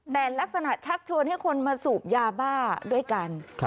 แต่ลักษณะชักชวนให้คนมาสูบยาบ้าด้วยกัน